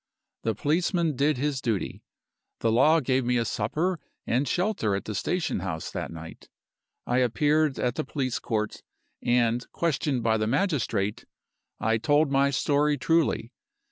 The policeman did his duty. The law gave me a supper and shelter at the station house that night. I appeared at the police court, and, questioned by the magistrate, I told my story truly.